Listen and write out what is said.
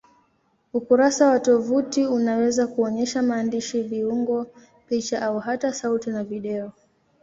Ukurasa wa tovuti unaweza kuonyesha maandishi, viungo, picha au hata sauti na video.